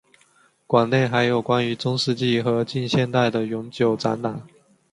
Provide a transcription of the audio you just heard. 馆内还有关于中世纪和近现代的永久展览。